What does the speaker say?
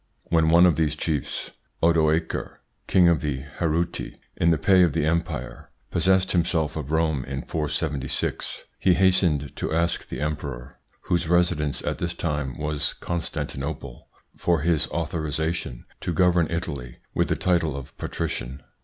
When one of these chiefs, Odoacre, king of the Heruti, in the pay of the empire, possessed himself of Rome in 476, he hastened to ask the emperor, whose residence at this time was Constantinople, for his authorisation to govern Italy with the title of Patrician.